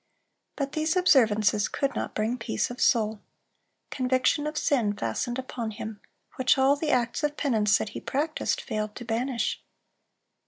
But these observances could not bring peace of soul. Conviction of sin fastened upon him, which all the acts of penance that he practised, failed to banish.